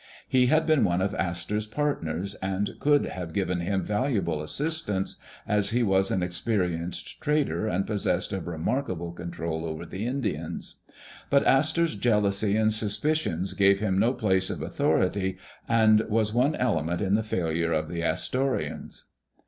He had been one of Astor's partners and could have given him valuable assistance, as he was an experienced trader and possessed of remark able control over the Indians; but Astor's jealousy and suspicions gave him no place of authority and was one element in the failure of the Astorians.